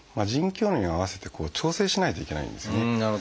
腎機能に合わせて調整しないといけないんですよね。